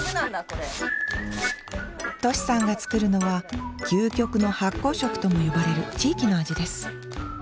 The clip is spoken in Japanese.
としさんが作るのは究極の発酵食とも呼ばれる地域の味です。